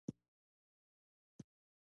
سیندونه د افغانستان طبعي ثروت دی.